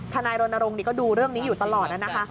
ธนายรณรงฯลูกลูกก็ดูเรื่องนี้อยู่ตลอดนะ